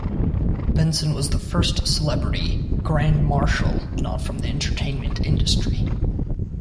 Benson was the first celebrity Grand Marshal not from the entertainment industry.